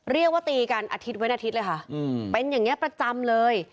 เรียกว่าตีกันอาทิตย์วันอาทิตย์เลยค่ะเป็นอย่างนี้ประจำเลย